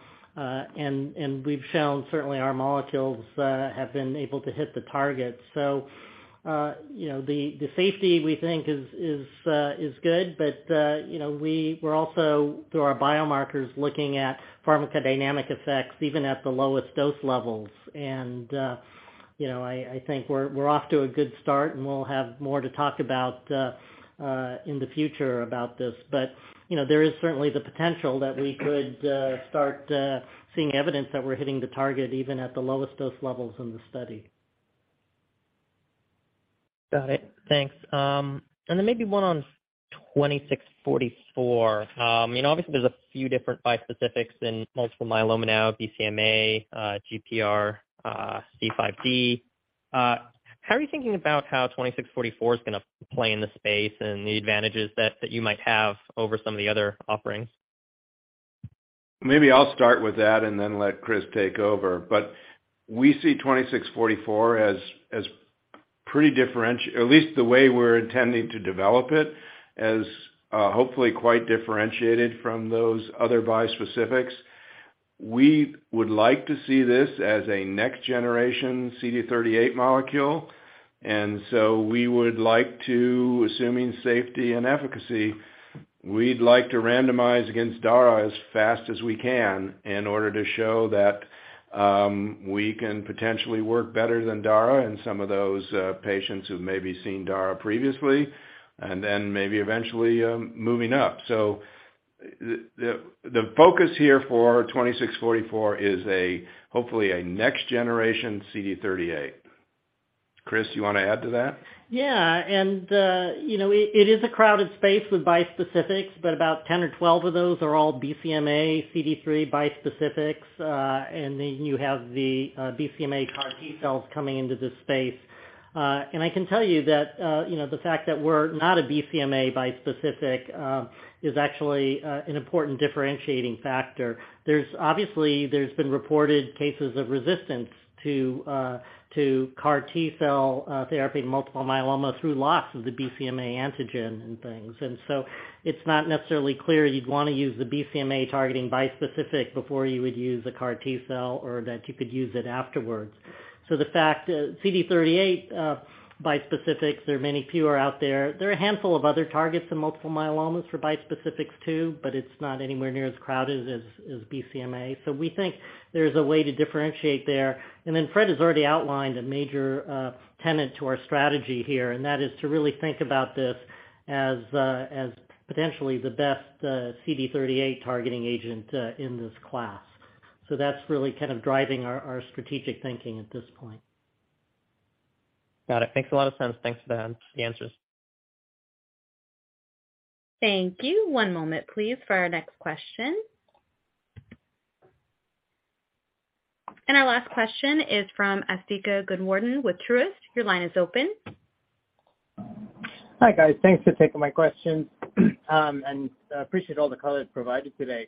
and we've shown certainly our molecules have been able to hit the target. You know, the safety we think is good, but, you know, we're also through our biomarkers looking at pharmacodynamic effects, even at the lowest dose levels. You know, I think we're off to a good start, and we'll have more to talk about in the future about this. You know, there is certainly the potential that we could start seeing evidence that we're hitting the target, even at the lowest dose levels in the study. Got it. Thanks. Then maybe one on IGM-2644. You know, obviously there's a few different bispecifics in multiple myeloma now, BCMA, GPRC5D. How are you thinking about how IGM-2644 is gonna play in the space and the advantages that you might have over some of the other offerings? Maybe I'll start with that and then let Chris take over. We see IGM-2644 as pretty at least the way we're intending to develop it, as hopefully quite differentiated from those other bispecifics. We would like to see this as a next generation CD38 molecule. We would like to, assuming safety and efficacy, we'd like to randomize against Dara as fast as we can in order to show that we can potentially work better than Dara in some of those patients who've maybe seen Dara previously. Then maybe eventually moving up. The focus here for IGM-2644 is a hopefully a next generation CD38. Chris, you wanna add to that? Yeah. You know, it is a crowded space with bispecifics, but about 10 or 12 of those are all BCMA, CD3 bispecifics, and then you have the BCMA CAR T-cells coming into this space. I can tell you that, you know, the fact that we're not a BCMA bispecific, is actually an important differentiating factor. Obviously, there's been reported cases of resistance to CAR T-cell therapy in multiple myeloma through loss of the BCMA antigen and things. It's not necessarily clear you'd wanna use the BCMA targeting bispecific before you would use a CAR T-cell or that you could use it afterwards. The fact, CD38, bispecifics, there are many fewer out there. There are a handful of other targets in multiple myeloma for bispecifics too. It's not anywhere near as crowded as BCMA. We think there's a way to differentiate there. Fred has already outlined a major tenet to our strategy here, and that is to really think about this as potentially the best CD38 targeting agent in this class. That's really kind of driving our strategic thinking at this point. Got it. Makes a lot of sense. Thanks for the answers. Thank you. One moment please for our next question. Our last question is from Asthika Goonewardene with Truist. Your line is open. Hi, guys. Thanks for taking my questions, and I appreciate all the color provided today.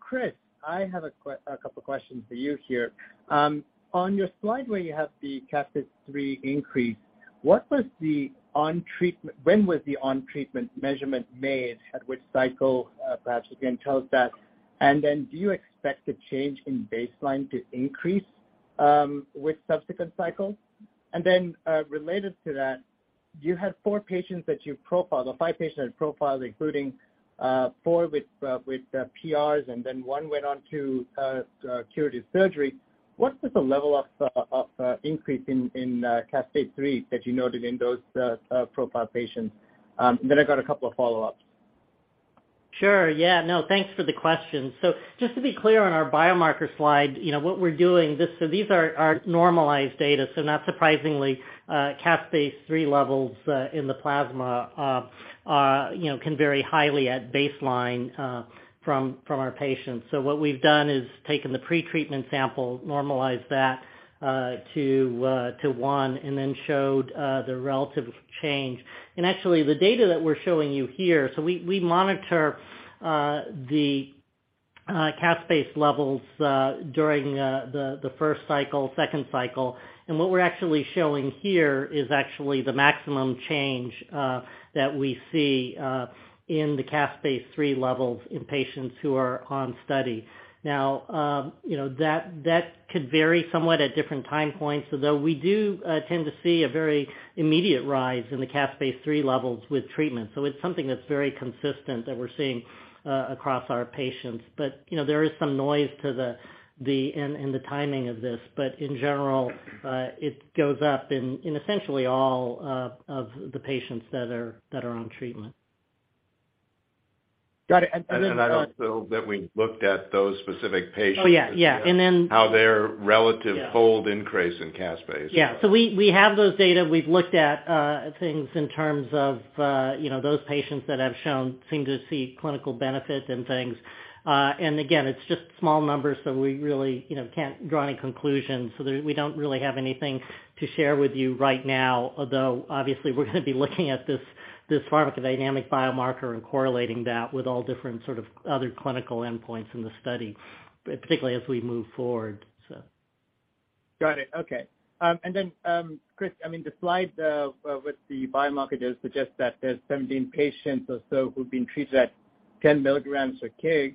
Chris, I have a couple questions for you here. On your slide where you have the caspase-3 increase, when was the on treatment measurement made, at which cycle, perhaps you can tell us that? Do you expect the change in baseline to increase with subsequent cycles? Related to that, you had four patients that you profiled, or five patients that profiled, including four with PRs, and then one went on to curative surgery. What was the level of increase in caspase-3 that you noted in those profiled patients? I got a couple of follow-ups. Sure. Yeah. No, thanks for the question. Just to be clear on our biomarker slide, you know, what we're doing, so these are our normalized data, not surprisingly, caspase-3 levels in the plasma, you know, can vary highly at baseline from our patients. What we've done is taken the pretreatment sample, normalized that to 1, and then showed the relative change. Actually, the data that we're showing you here, so we monitor the caspase levels during the first cycle, second cycle. What we're actually showing here is actually the maximum change that we see in the caspase-3 levels in patients who are on study. Now, you know, that could vary somewhat at different time points, although we do tend to see a very immediate rise in the caspase-3 levels with treatment. It's something that's very consistent that we're seeing across our patients. You know, there is some noise to the timing of this. In general, it goes up in essentially all of the patients that are on treatment. Got it. And then- I don't feel that we looked at those specific patients. Oh, yeah. Yeah. How their relative fold increase in caspase. Yeah. We have those data. We've looked at things in terms of, you know, those patients that have shown seem to see clinical benefit and things. Again, it's just small numbers, so we really, you know, can't draw any conclusions. We don't really have anything to share with you right now, although obviously we're gonna be looking at this pharmacodynamic biomarker and correlating that with all different sort of other clinical endpoints in the study, particularly as we move forward. So. Got it. Okay. Chris, I mean the slide with the biomarkers suggests that there's 17 patients or so who've been treated at 10 mg/kg.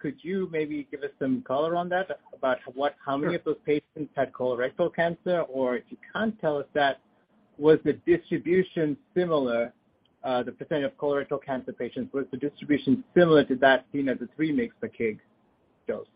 Could you maybe give us some color on that about. Sure. How many of those patients had colorectal cancer? If you can't tell us that, was the distribution similar, the percent of colorectal cancer patients, was the distribution similar to that seen at the 3 mg/kg dose?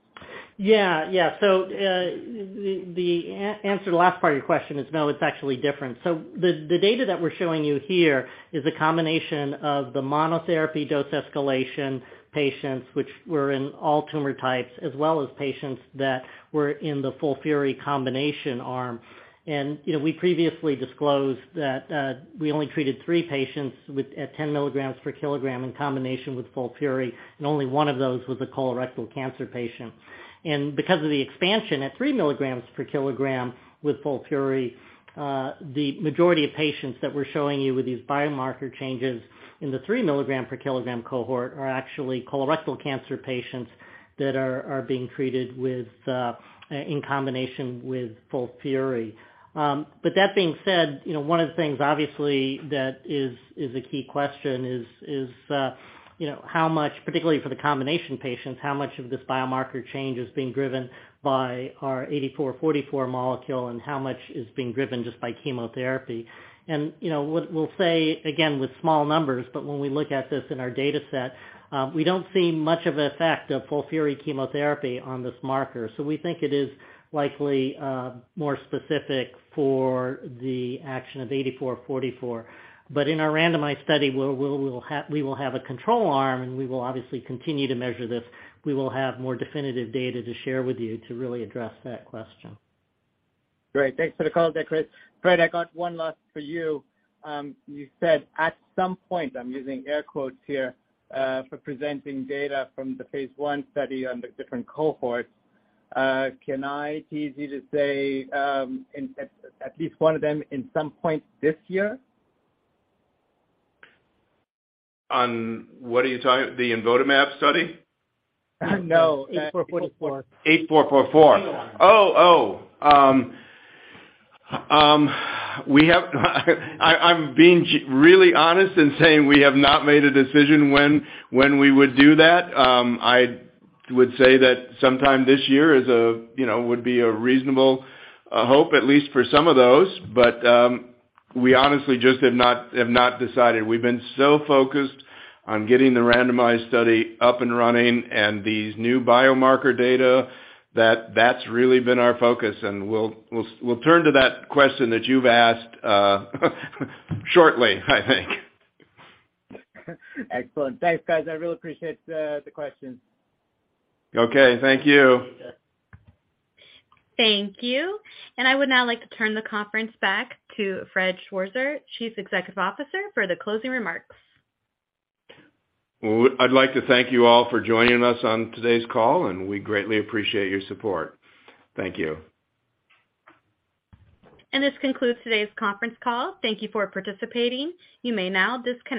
Yeah, yeah. The answer to the last part of your question is no, it's actually different. The data that we're showing you here is a combination of the monotherapy dose escalation patients, which were in all tumor types, as well as patients that were in the FOLFIRI combination arm. You know, we previously disclosed that we only treated 3 patients with at 10 mg/kg in combination with FOLFIRI, and only one of those was a colorectal cancer patient. Because of the expansion at 3 mg/kg with FOLFIRI, the majority of patients that we're showing you with these biomarker changes in the 3 mg/kg cohort are actually colorectal cancer patients that are being treated with in combination with FOLFIRI. But that being said, you know, one of the things obviously that is a key question is, you know, how much, particularly for the combination patients, how much of this biomarker change is being driven by our IGM-8444 molecule and how much is being driven just by chemotherapy. You know, what we'll say, again, with small numbers, but when we look at this in our data set, we don't see much of an effect of FOLFIRI chemotherapy on this marker. We think it is likely more specific for the action of IGM-8444. In our randomized study, where we will have a control arm and we will obviously continue to measure this, we will have more definitive data to share with you to really address that question. Great. Thanks for the call there, Chris. Fred, I got one last for you. You said at some point, I'm using air quotes here, for presenting data from the Phase 1 study on the different cohorts. Can I tease you to say, at least one of them at some point this year? The imvotamab study? No. 8444. IGM-8444. I'm being really honest in saying we have not made a decision when we would do that. I would say that sometime this year is a, you know, would be a reasonable hope, at least for some of those. We honestly just have not decided. We've been so focused on getting the randomized study up and running and these new biomarker data, that that's really been our focus and we'll turn to that question that you've asked shortly, I think. Excellent. Thanks, guys. I really appreciate the questions. Okay. Thank you. Yeah. Thank you. I would now like to turn the conference back to Fred Schwarzer, Chief Executive Officer, for the closing remarks. I'd like to thank you all for joining us on today's call, and we greatly appreciate your support. Thank you. This concludes today's conference call. Thank you for participating. You may now disconnect.